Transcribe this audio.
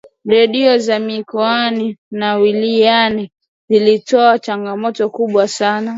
redio za mikoani na wilayani zinatoa changamoto kubwa sana